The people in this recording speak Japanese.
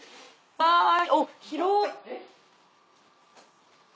はい。